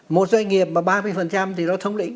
một doanh nghiệp mà ba mươi thì nó thống lĩnh